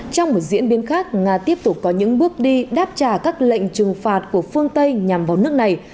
trong một diễn biến khác nga tiếp tục có những bước đi đáp trả các lệnh trừng phạt của phương tây nhằm vào nước này